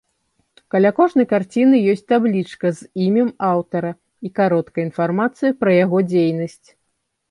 Каля кожнай карціны ёсць таблічка з імем аўтара і кароткай інфармацыяй пра яго дзейнасць.